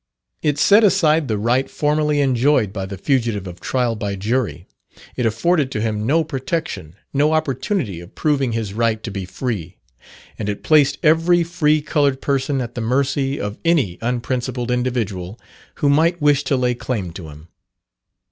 It set aside the right formerly enjoyed by the fugitive of trial by jury it afforded to him no protection, no opportunity of proving his right to be free, and it placed every free coloured person at the mercy of any unprincipled individual who might wish to lay claim to him.